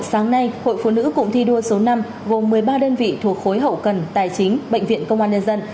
sáng nay hội phụ nữ cụng thi đua số năm gồm một mươi ba đơn vị thuộc khối hậu cần tài chính bệnh viện công an nhân dân